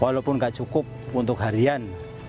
walaupun nggak cukup untuk harian